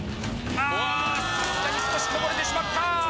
さすがに少しこぼれてしまった！